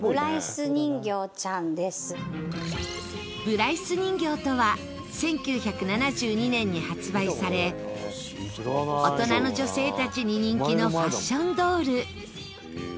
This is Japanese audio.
ブライス人形とは１９７２年に発売され大人の女性たちに人気のファッションドール。